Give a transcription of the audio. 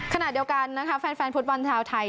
ขณะเดียวกันนะคะแฟนพุทธบอลเท้าไทย